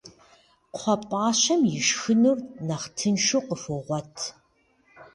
Кхъуэпӏащэм ишхынур нэхъ тыншу къыхуогъуэт.